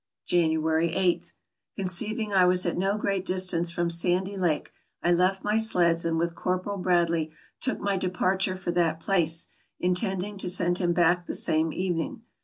January 8. — Conceiving I was at no great distance from Sandy Lake, I left my sleds and with Corporal Bradley took my departure for that place, intending to send him back the same evening.